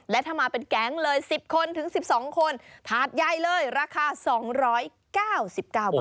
และถ้ามาเป็นแก๊งเลย๑๐คนถึง๑๒คนถาดใหญ่เลยราคา๒๙๙บาท